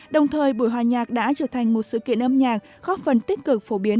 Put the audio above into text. đồng thời buổi hòa nhạc đã trở thành một sự kiện âm nhạc góp phần tích cực phổ biến